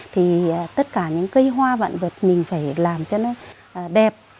thì tất cả những cây hoa vạn vật mình phải làm cho nó đẹp